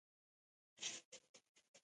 په آسیا او افریقا نابرابري زیاته ده.